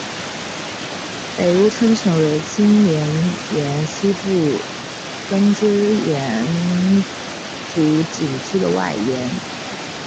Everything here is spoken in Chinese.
北坞村成为清漪园西部耕织图景区的外延。